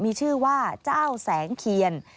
มีชื่อว่าเจ้าแสงเคียน